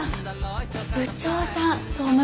部長さん総務部の。